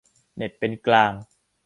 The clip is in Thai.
เน็ตเป็นกลาง